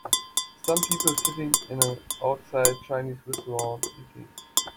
Some people sitting in a outside chinese restaurant eating